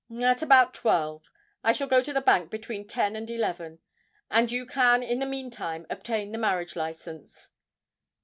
"At about twelve. I shall go to the bank between ten and eleven; and you can in the meantime obtain the marriage license."